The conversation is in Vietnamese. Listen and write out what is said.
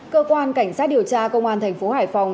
cơ quan cảnh sát điều tra công an tp hải phòng